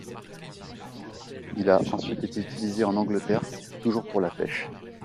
Il a ensuite été utilisé en Angleterre, toujours pour la pêche.